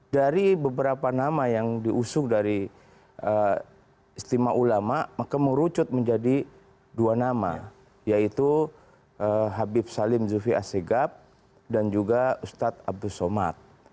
dari beberapa nama yang diusung dari istimewa ulama maka merucut menjadi dua nama yaitu habib salim zufi asegab dan juga ustadz abdus somad